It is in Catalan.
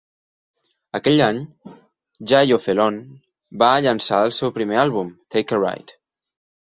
Aquell any, Jayo Felony va llançar el seu primer àlbum, "Take a Ride".